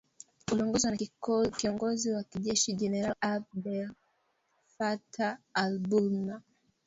ulioongozwa na kiongozi wa kijeshi Jenerali Abdel Fattah al- Burhan